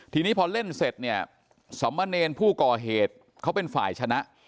ทีนี้พอเล่นเสร็จเนี่ยสมเนรผู้ก่อเหตุเขาเป็นฝ่ายชนะ